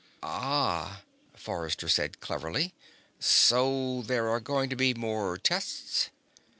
"Ah," Forrester said cleverly. "So there are going to be more tests?"